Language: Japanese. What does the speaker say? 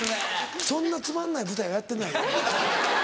そんなつまんない舞台はやってないよ。